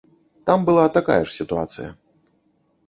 Там была такая ж сітуацыя.